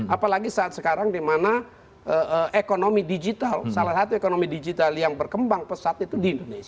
apalagi saat sekarang di mana ekonomi digital salah satu ekonomi digital yang berkembang pesat itu di indonesia